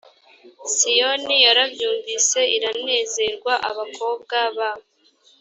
siyoni yarabyumvise iranezerwa abakobwa ba